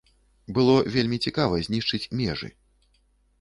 Было вельмі цікава знішчыць межы.